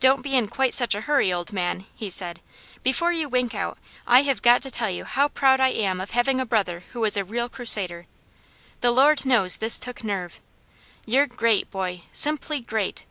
"Don't be in quite such a hurry, old man," he said. "Before you wink out I have got to tell you how proud I am of having a brother who is a real Crusader. The Lord knows this took nerve! You're great, boy, simply great!"